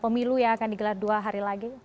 pemilu yang akan digelar dua hari lagi